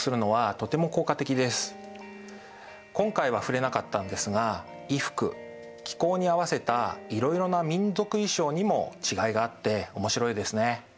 今回は触れなかったんですが衣服気候に合わせたいろいろな民族衣装にも違いがあって面白いですね。